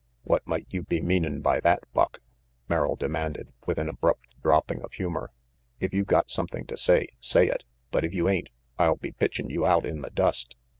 "What might you be meanin' by that, Buck?" Merrill demanded, with an abrupt dropping of humor. "If you got something to say, say it, but if you ain't, I'll be pitchin' you out in the dust."